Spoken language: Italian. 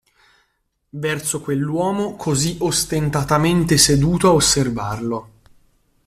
Verso quell'uomo così ostentatamente seduto a osservarlo.